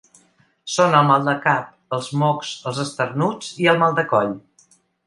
Són el mal de cap, els mocs, els esternuts i el mal de coll.